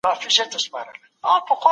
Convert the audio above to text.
استاد موږ ته درس راکوي.